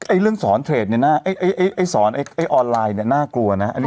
เรื่องสอนเทรดเนี่ยนะไอ้สอนไอ้ออนไลน์เนี่ยน่ากลัวนะ